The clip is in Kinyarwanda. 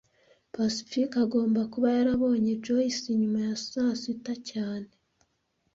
Pacifique agomba kuba yarabonye Joyce nyuma ya saa sita cyane